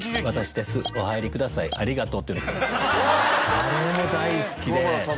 あれも大好きで。